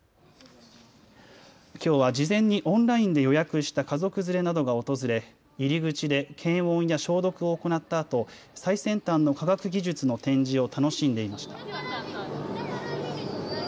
きょうは事前にオンラインで予約した家族連れなどが訪れ入り口で検温や消毒を行ったあと最先端の科学技術の展示を楽しんでいました。